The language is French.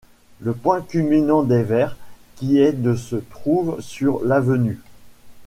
Le point culminant d'Evere qui est de se trouve sur l'avenue.